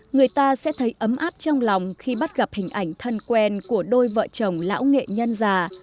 người ta sẽ thấy ấm áp trong lòng khi bắt gặp hình ảnh thân quen của đôi vợ chồng lão nghệ nhân già